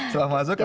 setelah masuk kan